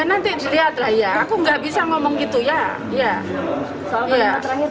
nanti dilihat lah ya aku nggak bisa ngomong gitu ya